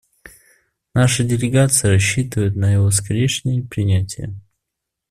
Наша делегация рассчитывает на его скорейшее принятие.